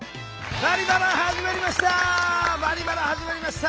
「バリバラ」始まりました！